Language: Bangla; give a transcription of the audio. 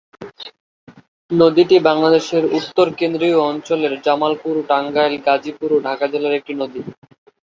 নদীটি বাংলাদেশের উত্তর-কেন্দ্রীয় অঞ্চলের জামালপুর, টাঙ্গাইল, গাজীপুর ও ঢাকা জেলার একটি নদী।